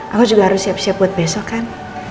aku juga harus siap siap buat besok kan